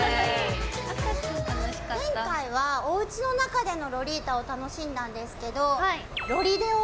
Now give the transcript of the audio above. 前回はおうちの中でのロリータを楽しんだんですけれども、ロリデを。